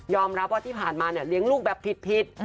รับว่าที่ผ่านมาเนี่ยเลี้ยงลูกแบบผิด